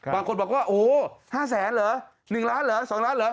บางคนบอกว่าโอ้โห๕แสนเหรอ๑ล้านเหรอ๒ล้านเหรอ